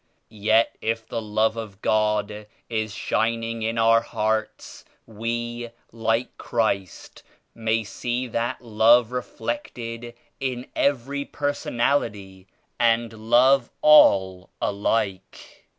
Yet if the Love of God is shining in our hearts, we like Christ, may see that Love reflected in every personality, and love all alike."